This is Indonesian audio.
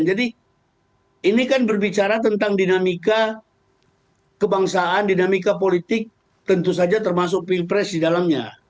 jadi ini kan berbicara tentang dinamika kebangsaan dinamika politik tentu saja termasuk pilpres di dalamnya